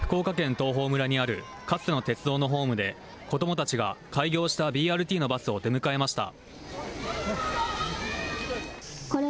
東峰村にあるかつての鉄道のホームで、子どもたちが開業したＢＲＴのバスを出迎えました。